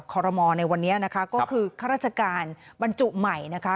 ขอรมอลในวันนี้นะคะก็คือข้าราชการบรรจุใหม่นะคะ